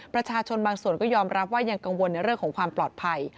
ประชาชนบางส่วนก็ยอมรับว่ายังกังวลในเรื่องของความปลอดภัย